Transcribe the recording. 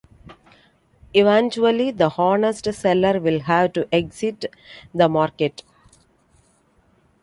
Eventually, the honest seller will have to exit the market.